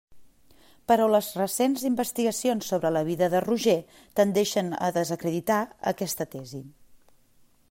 Però les recents investigacions sobre la vida de Roger tendeixen a desacreditar aquesta tesi.